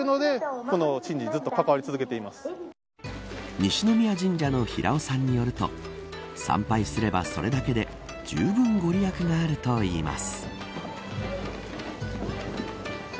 西宮神社の平尾さんによると参拝すれば、それだけでじゅうぶん御利益があるといいます。